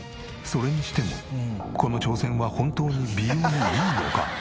それにしてもこの挑戦は本当に美容にいいのか？